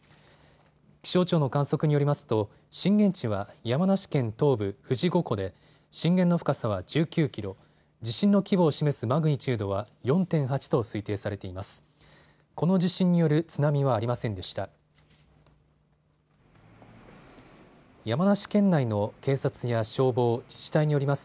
気象庁の観測によりますと震源地は山梨県東部、富士五湖で震源の深さは１９キロ、地震の規模を示すマグニチュードは４．８と推定されています。